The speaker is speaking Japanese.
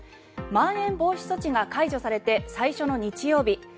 まん延防止措置が解除されて最初の日曜日。